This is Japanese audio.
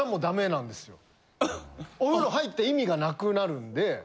お風呂入った意味がなくなるんで。